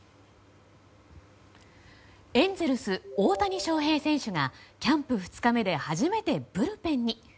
エンゼルス大谷翔平選手がキャンプ２日目で初めてブルペンに。